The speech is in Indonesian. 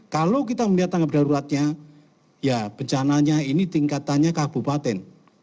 kalau kita melihat tanggap daruratnya ya bencananya ini tingkatannya kabupaten